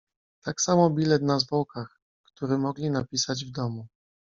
"Tak samo bilet na zwłokach, który mogli napisać w domu."